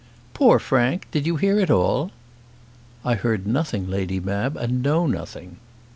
"Poor Frank! Did you hear it all?" "I heard nothing, Lady Mab, and know nothing."